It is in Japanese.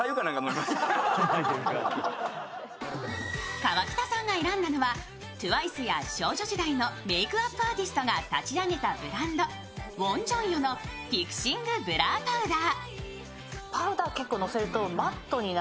河北さんが選んだのはＴＷＩＣＥや少女時代のメイクアップアーティストが立ち上げたブランド、ウォンジョンヨのフィクシングブラーパウダー。